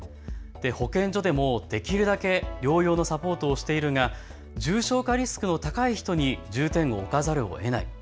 保健所でもできるだけ療養のサポートをしているが重症化リスクの高い人に重点を置かざるをえない。